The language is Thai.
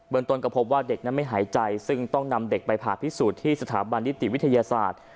ตนก็พบว่าเด็กนั้นไม่หายใจซึ่งต้องนำเด็กไปผ่าพิสูจน์ที่สถาบันนิติวิทยาศาสตร์